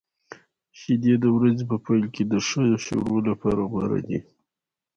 شیدې د ورځې په پیل کې د ښه شروع لپاره غوره دي.